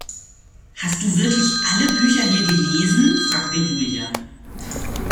Hast du wirklich alle Bücher hier gelesen, fragte Julia.